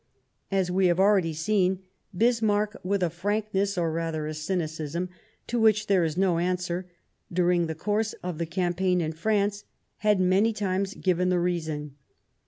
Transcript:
As we have aheady seen, Bismarck, with a frankness or rather a cynicism to which there is no The ruling answer, during the course of the campaign of A.lS&G6* ±*^ Lorraine in France had many times given the reason.